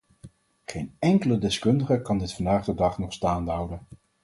Geen enkele deskundige kan dit vandaag de dag nog staande houden.